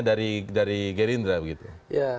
dari gerindra begitu